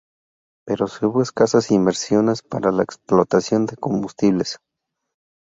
Pero se hubo escasas inversiones para la explotación de combustibles.